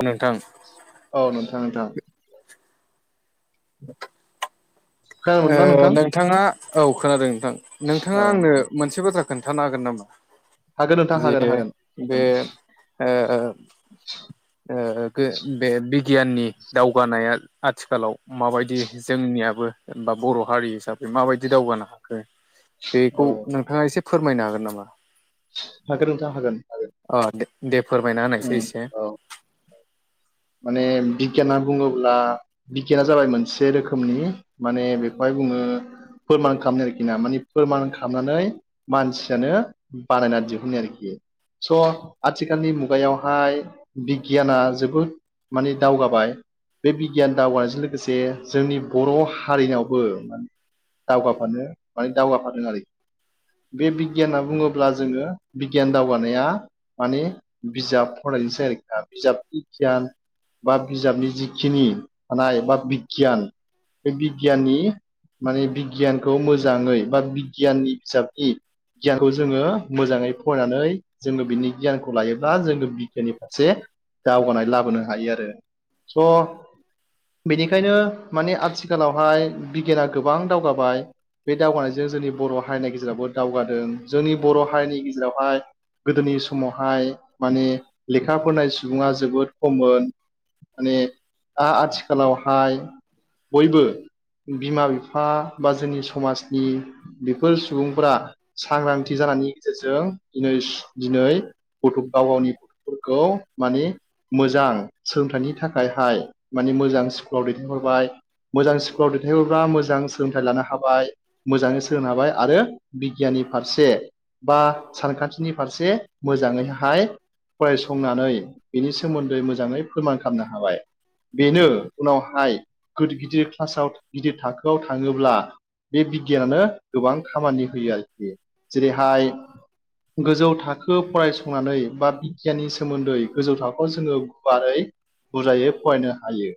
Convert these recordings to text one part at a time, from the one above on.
अ नोंथां औ नोंथां नोंथां। [inaudible] खोनानो मोनदोंना नोंथां नोंथाङा औ खोनादों नोंथां नोंथाङा औ आंनो मोनसे बाथ्राखौ खोन्थानो हागोन नामा? हागोन नोंथां जे हागोन हागोन बे ओ ओ गो बे बि गियाननि दावगानाया आथिखालाव माबायदि जोंनियाबो जेनबा बर' हारि हिसाबै माबायदि दावगानो हाखो औ बेखौ नों थांहा एसे फोरमायनो हागोन नामा? हागोन नोंथां हागोन। अ दे दे फोरमायना होननायसाय उम एसे औ माने बिगियाना बुङोब्ला बिगियाना जाबाय मोनसे रोखोमनि माने बेखौहाय बुङो फोरमान खालामनाय आरोखि ना माने फोरमान खालामनानै मानसियानो बानायना दिहुनो आरोखि स' आथिखालनि मुगायावहाय बिगियाना जोबोद माने दावगाबाय बे बिगियान दावगानायजों लोगोसे जोंनि बर' हारिनावबो माने दावगाफानो माने दावगाफादों आरो बे बिगियाना बुङोब्ला जोङो बिगियान दावगानाया माने बिजाब फरायनोसै आरोखि बिजाब बिगियान बा बिजाबनि जिखिनि थानाय बा बिगियान बे बिगियाननि माने बिगियानखौ मोजाङै बा बिगियाननि बिजाबनि गियानखौ जोङो मोजाङै फरायनानै जोंनो बिनि गियानखौ लायोब्ला जोंनो बिगियाननि फारसे दावगानाय लाबोनो हायो आरो स' बेनिखायनो माने आथिखालावहाय बिगियाना गोबां दावगाबाय। बे दावगानायजों जोंनि बर' हारिनि गेजेरावबो दावगादों जोंनि बर' हारिनि गेजेरावहाय गोदोनि समावहाय माने लेखा फनायनाय सुबुङा जोबोद खममोन माने दा आथिखालावहाय बयबो बिमा बिफा बा जोंनि समाजनि बेफोर सुबुंफोरा सांग्रांथि जानायनि गेजेरजों दिनै दिनै गथ' गाव गावनि गथ'फोरखौ माने मोजां सोलोंथाइनि थाखायहाय माने मोजां स्कुलाव दैथायहरबाय। मोजां स्कुलाव दैथायहरब्ला मोजां सोलोंथाइ लानो हाबाय। मोजाङै सोलोंनो हाबाय आरो बिगियाननि फारसे बा सानखान्थिनि फारसे मोजाङैहाय फरायसंनानै बेनि स नि सोमोन्दै मोजाङै फोरमान खालामनो हाबाय। बेनो उनावहाय गिदिर गिदिर क्लासाव गिदिर थाखोआव थाङोब्ला बे बिगियानानो गोबां खामानि होयो आरोखि। जेरैहाय गोजौ थाखो फरायसंनानै बा बिगियाननि सोमोन्दै गोजौ थाखो खौ जोङो गुवारै बुरजायै फरायनो हायो।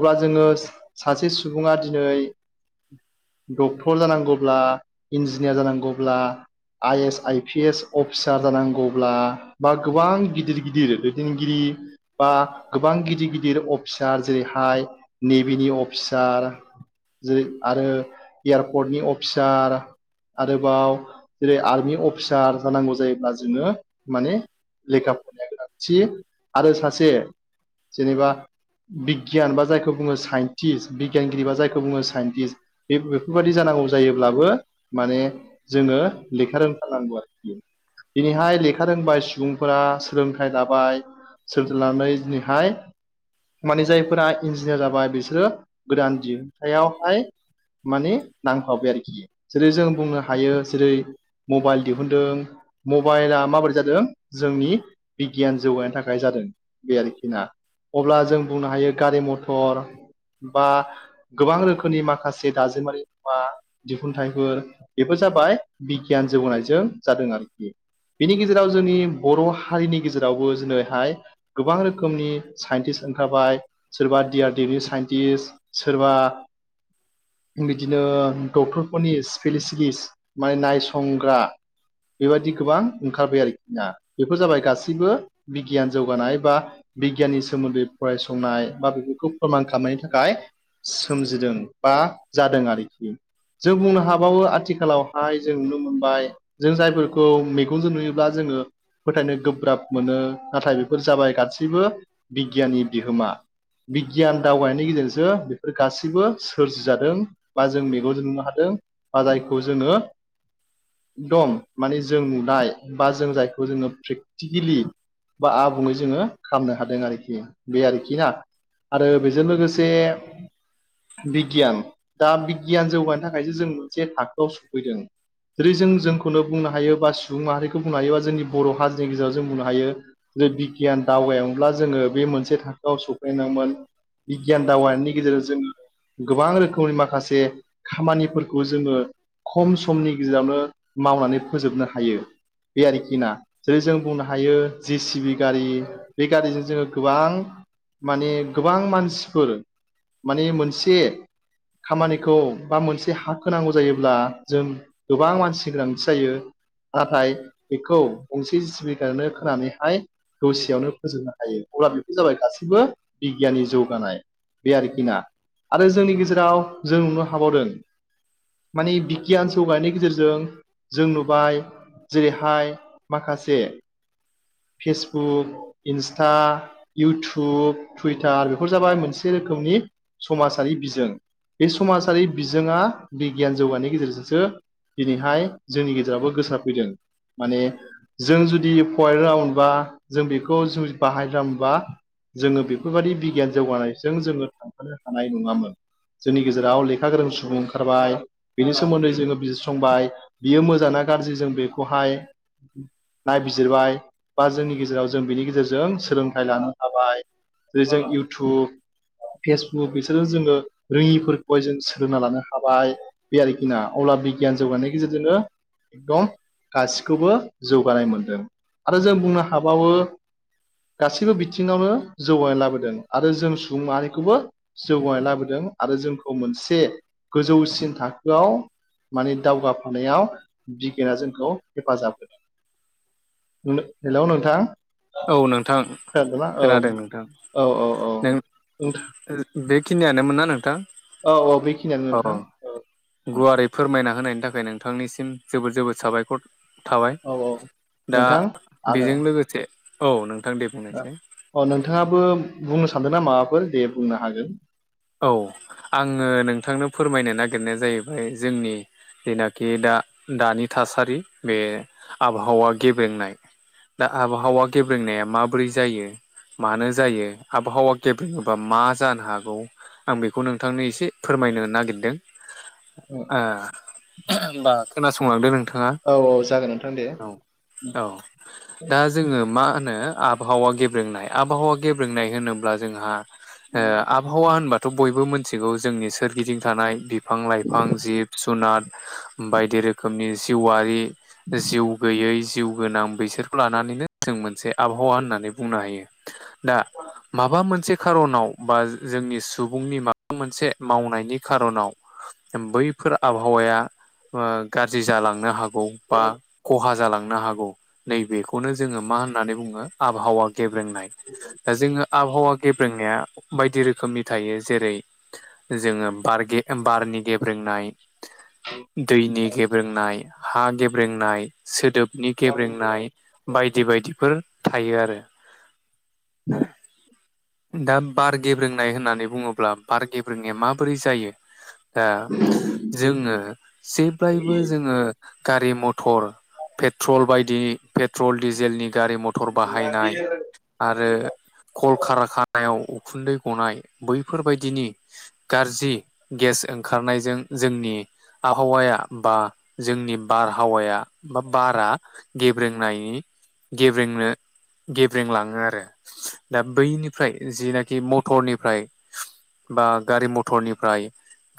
अब्ला जोङो सासे सुबुङा दिनै डक्टर जानांगौब्ला इन्जिनियार जानांगौब्ला I S I P S officer जानांगौब्ला बा गोबां गिदिर गिदिर दैदेनगिरि गिरि बा गोबां गिदिर गिदिर अफिसार जेरैहाय नेभिनि अफिसार जेरै आरो एयारपर्टनि अफिसार आरोबाव जेरै आर्मि अफिसार जानांगौ जायोब्ला जोङो माने लेखा फरायनाया गोनांथि आरो सासे जेनेबा बिगियान बा जायखौ बुङो साइन्टिस्ट बिगियानगिरि बा जायखौ बुङो साइन्टिस्ट बे बेफोरबायदि जानांगौ जायोब्लाबो माने जोङो लेखा रोंथारनांगौ आरोखि। दिनैहाय लेखा रोंबाय सुबुंफोरा सोलोंथाइ लाबाय सोरजिनानै दिनैहाय माने जायफोरा इन्जिनियार जाबाय बिसोरो गोदान दिहुनथायावहाय माने नांथाबबाय आरोखि जेरै जों बुंनो हायो जेरै मबाइल दिहुनदों मबाइला माबोरै जादों जोंनि बिगियान जौगानायानो थाखाय जादों बे आरोखि ना अब्ला जों बुंनो हायो गारि मथर बा गोबां रोखोमनि माखासे दाजेमारि मुवा दिहुनथाइफोर बेबो जाबाय बिगियान जौगानायजों जादों आरोखि बिनि गेजेराव जोंनि बर' हारिनि गेजेरावबो जोङो गोबां रोखोमनि साइन्टिस्ट ओंखारबाय सोरबा डि आर डि नि साइन्टिस्ट सोरबा बिदिनो डक्टरफोरनि स्पेसिलिस माने नायसंग्रा बेबायदि गोबां ओंखारबाय आरोखि बेफोर जाबाय गासैबो बिगियान जौगानाय बा बिगियाननि सोमोन्दै फरायसंनाय बा बेफोरखौ फोरमान खालामनायनि थाखाय सोमजिदों बा जादों आरोखि। जों बुंनो हाबावो आथिखालावहाय जों नुनो मोनबाय जों जायफोरखौ मैगंजों नुयोब्ला जोङो फोथायनो गोब्राब मोनो। नाथाय बेफोर जाबाय गासैबो बिगियाननि बिहोमा बिगियान दावबायनायनि गेजेरजोंसो बेफोर गाससिबो सोरजिजादों। बा जों मेगनजों नुनो हादों बा जायखौ जोङो दं माने जों नुनाय बा जों जायखौ जोङो प्रेक्टिकेलि बा आबुङै जोङो खालामनो हादों आरोखि बे आरोखि ना? आरो बेजों लोगोसे बिगियान दा बिगियान जौगानो थाखायसो जों मोनसे थाखोआव सफैदों जेरै जों जोंखौनो बुंनो हायो बा सुबुं माहारिखौ बुंनो हायो बा जोंनि बर' हारिनि गेजेराव जों बुंनो हायो। जे बिगियान दावबायामोनब्ला जोङो बे मोनसे थाखोआव सफैनांगोन। बिगियान दावबायनायनि गेजेरजों जों गोबां रोखोमनि माखासे खामानिफोरखौ जोङो खम समनि गेजेरावनो मावनानै फोजोबनो हायो। बे आरोखि ना जेरै जों बुंनो हायो जे सिबि गारि बे गारिजों जोङो गोबां माने गोबां मानसिफोर माने मोनसे खामानिखौ बा मोनसे हा होनांगौ जायोब्ला जों गोबां मानसि गोनांथि जायो नाथाय बेखौ गंसे जिसिबिजोंनो खोनानै फैयो। होरसेयावनो फोजोबनो हायो अब्ला बेफोर जाबाय गासैबो बिगियाननि जौगानाय। बे आरोखि ना आरो जोंनि गेजेराव जों नुनो हाबावदों मानि बिगियान जौगानायनायनि गेजेरजों जों नुबाय जेरैहाय माखासे फेसबुक इन्स्टा इउटुब टुइटार बेफोर जाबाय मोनसे रोखोमनि समाजारि बिजों बे समाजारि बिजोंआ बिगियान जौगानायनि गेजेरजोंसो दिनैहाय जोंनि गेजेराबो गोसारफैदों माने जों जुदि फरायनो रोङामोनबा जों बेखौ बाहायनो रोंआमोनबा जोङो बेफोरबायाददि बिगियान जौगानायजों जोङो थांफानो हानाय नङामोन। जोंनि गेजेराव लेखा गोरों सुबुं ओंखारबाय। बिनि सोमोन्दै जोङो बिजिरसंबाय बियो मोजाङा गाज्रि जों बेखौहाय नायबिजिरबाय बा जोंनि गेजेराव जों बिनि गेजेरजों सोलोंथाइ लानो हाबाय जेरै जों इउटुब फेसबुक बिसोरो जोङो रोङिफोरखौहाय जों सोलोंना लानो हाबाय। बे आरोखि ना अब्ला बिगियान जौगानायनि गेजेरजोंनो एकदम गाससिखौबो जौगानाय मोनदों आरो जों बुंनो हाबावो। गासैबो बिथिङावनो जौगानाय लाबोदों आरो जों सुबुं माहारिखौबो जौगानाय लाबोदों आरो जोंखौ मोनसे गोजौसिन थाखोआव माने दावगाफानायाव बिगा जोंखौ हेफाजाब होदों। [unintelligible] हेलौ नोंथां औ नोंथां खोनादोंना औ खोनादों नोंथां औ औ औ नों नोंथां [unintelligible] बेखिनियानो मोन ना नोंथां? औ औ बेखिनियानो अ नोंथां। औ गुवारै फोरमायना होनायनि थाखाय नोंथांनिसिम जोबोद जोबोद साबायखर थाबाय औ औ दा नोंथां आरो बेजों लोगोसे औ नोंथां दे बुंनायसाय अ नोंथाङाबो बुंनो सानदों नना माबाफोर दे बुंनो हागोन। औ आङो नोंथांनो फोरमायनो नागिरनाया जाहैबाय जोंनि जेनाखि दा दानि थासारि बे आबहावा गेब्रेंनाय दा आबहावा गेब्रेंनाया माबोरै जायो मानो जायो आबहावा गेबेङोबा मा जानो हागौ आं बेखौ नोंथांनो एसे फोरमायनो नागिरदों। औ। ओ होनबा खोनासंलांदो नोंथाङा औ औ जागोन नोंथां दे। औ औ। दा जोङो मा होनो आबहावा गेब्रेंनाय आबहावा गेब्रेंनाय होनोब्ला जोंहा आबहावा होनबाथ' बयबो मिथिगौ जोंनि सोरगिदिं थानाय [unintelligible] बिफां लाइफां जिब जुनार बायदि रोखोमनि जिउआरि जिउ गैयै जिउ गोनां बैसोरखौ लानानैनो जों मोनसे आबहावा होननानै बुंनो हायो। [inaudible] दा माबा मोनसे खार'नाव बा जोंनि सुबुंनि माबा मोनसे मावनायनि खारनाव बैफोर आबहावाया गाज्रि जालांनो हागौ [unintelligible] बा खहा जालांनो हागौ नैबेखौनो जोङो मा होननानै बुङो आबहावा गेब्रोंनाय दा जोङो आबहावा गेब्रोंनाया बायदि रो रोखोमनि थायो जेरै जोङो बारनि गेब्रेंनाय। दैनि गेब्रेंनाय हा गेब्रेंनाय सोदोबनि गेब्रेंनाय बायदि बायदिफोर थायो आरो दा बार गे रोंनाय होननानै बुङोब्ला बार गेब्रेंनाया माबोरै जायो दा जोङो जेब्लायबो जोङो गारि मथर पेट्रल बायदिनि पेट्रल डिजेलनि गारि मथर मटर बाहायनाय आरो कल खार खानायाव उखुन्दै हनाय बैफोरबायदिनि गाज्रि गेस ओंखारनायजों जोंनि आबहावाया बा जोंनि बारहावाया बा बारा गेब्रेंनायनि गेब्रेंनो गेब्रें लाङो आरो दा बैनिफ्राय जिनाखि म मटर निफ्राय बा गारि मथरनिफ्राय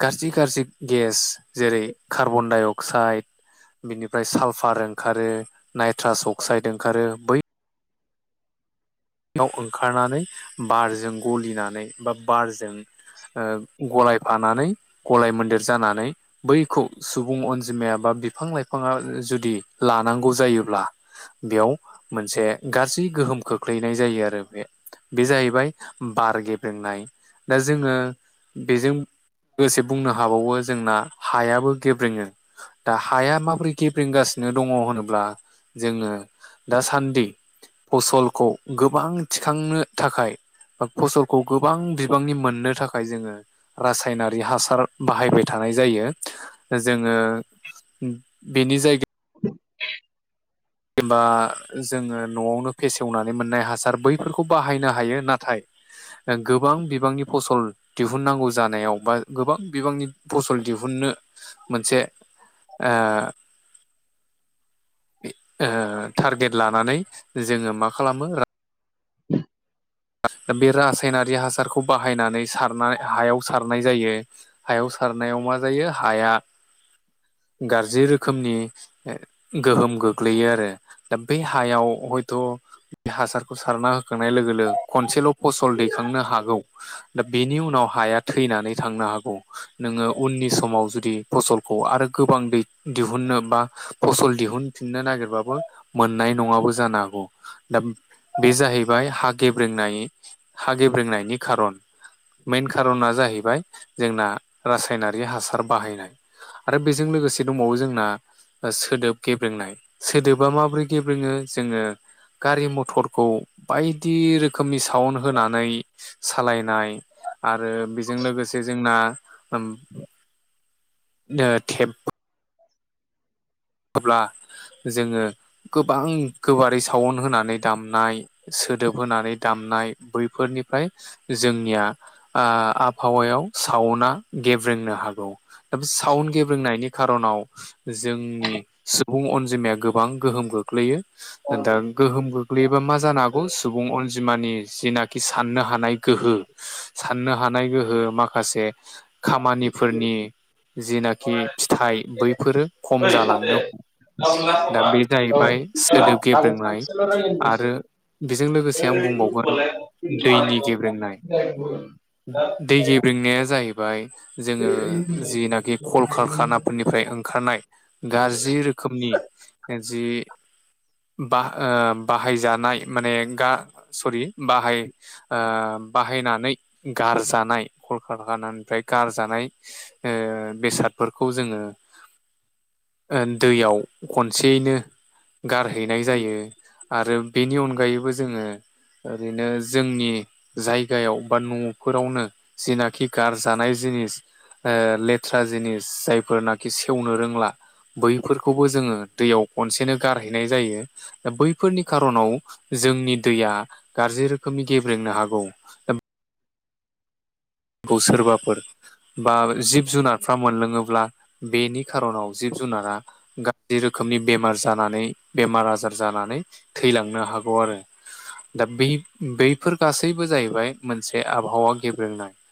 गाज्रि गाज्रि गेस जेरै कार्बन डाइ अक्साइड बिनिफ्राय सालफार ओंखारो नाइट्रास अक्साइद ओंखारो बै याव ओंखारनानै बारजों गलिनानै बा बारजों गलाय फानानै गलाय मोन्देर जानानै बैखौ सुबुं अनजिमाया बा बिफां लाइफाङा जुदि लानांगौ जायोब्ला बेयाव मोनसे गाज्रि गोहोमखौ खोख्लैनाय जायो आरो बे बे जाहैबाय। बार गेब्रेंनाय दा जोंङो बेजों लोगोसे बुंनो हाबावो जोंना हायाबो गेब्रेंङो दा हाया माबोरै गेब्रेंगासिनो दंङ होनोब्ला जोंङो दासान्दि फसलखौ गोबां थिखांनो थाखाय फसलखौ गोबां बिबांनि मोननो थाखाय जोंङो रासायनारि हासार बाहायबाय थानाय जायो जोंङो बेनि जायगायाव एबा जोंङो न'आवनो फेसेवनानै मोननाय हासार बैफोरखौ बाहायनो हायो नाथाय गोबां बिबांनि फसल दिहुननांगौ जानायाव बा गोबां बिबांनि फसल दिहुननो मोनसे ओ ओ टारगेट लानानै जोंङो मा खालामो दा बे रासायनारि हासारखौ बाहायनानै सारनाय हायाव सारनाय जायो। हायाव सारनायाव मा जायो। हाया गाजाज्रि रोखोमनि गोहोम गोग्लैयो आरो दा बे हायाव हयथ' बे हासारखौ सारना होखांनाय लोगो लोगो खनसेल' फसल दैखांनो हागौव दा बेनि उनाव हाया थैनानै थांनो हागौ नोंङो उननि समाव जुदि फसलखौ आरो गोबां दै दिहुननो बा फसल दिहुनफिननो नागिरबाबो मोननाय नंङाबो जानो हागौ। दा बे जाहैबाय हा गेबेंनाय रोंनाय हा गेब्रेंनायनि खारन मेन खारना जाहैबाय जोंना रासायनारि हासार बाहायनाय आरो बेजों लोगोसे दंबावो जोंना सोदोब गेब्रेंनाय सोदोबा माबोरै गेब्रेङो जोंङो गारि मथरखौ बायदि रोखोम रो खोमनि सावन होनानै सालायनाय आरो बेजों लोगोसे जोंना दे अब्ला सावउन होना दामनाय सोदोब होनानै दामनाय बैफोरनिफ्राय जोंनिया आबहावायाव सावना गेब्रेंनो हागौ। दा बे साउन्ड गेब्रोंनायनि खार'नाव जोंनि सुबुं अनजिमाया गोबां गोहोम गोलैयो दा गोहोम गोग्लैयोबा मा जानो हागौ सुबुं अन जि मानि जेनाखि साननो हानाय गोहो साननो हानाय गोहो माखासे खामानिफोरनि जेनाखि फिथाइ बैफोरो खम ओइ' सानसे? जालांनो दा बे जाहैबाय सोदोब गाबोन गेब्रोंनाय सानसेल' रायलायनोसै आरो बेजों लोगोसे आं ओइ बुंबावगोन होनबालाय आं दैनि फैनोनो गेब्रेंनाय हानाय नङा। दै रंनाया जाहैबाय जोंङो जिनाखि कल कार खानाफोरनिफ्राय ओंखारनाय गाज्रि रोखोमनि जि ब बाहायजानाय माने गा सरि बाहाय बाहायनानै गारजानाय कलकानानिफ्राय गारजानाय बेसादफोरखौ जोंङो दैयाव खनसेयैनो गारहैनाय जायो। आरो बेनि अनगायैबो जोंङो ओरैनो जोंनि जायगायाव बा न'फोरावनो जिनाखि गारजानाय जिनिस ओ लेथ्रा जिनिस जायफोरनाखि सेवनो रोंला। बैफोरखौबो जोङो दैयाव खनसेनो गारहैनाय जायो। दा बैफोरनि खार'नाव जोंनि दैया गाज्रि रोखोमनि गेब्रेंनो हागौ। खौ सोरबाफोर बा जिब जुनारफ्रा मोनलोङोब्ला बेनि खार'नाव जिब जुनारा गाज्रि रोखोमनि बेमार जानानै बेमार आजार जानानै थैलांनो हागौ आरो। दा बे बैफोर गासैबो जायबाय मोनसे आबहावा गेब्रेंनाय। बे